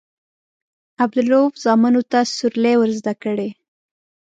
عبدالروف زامنو ته سورلۍ ورزده کړي.